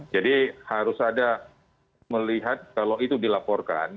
jadi harus ada melihat kalau itu dilaporkan